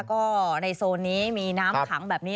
ก็ในโซนนี้มีน้ำขังแบบนี้